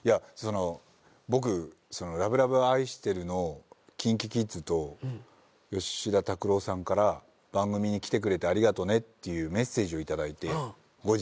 僕『ＬＯＶＥＬＯＶＥあいしてる』のＫｉｎＫｉＫｉｄｓと吉田拓郎さんから番組に来てくれてありがとねっていうメッセージを頂いて後日。